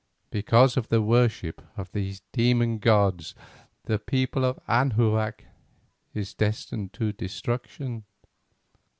Because of the worship of these demon gods the people of Anahuac is destined to destruction."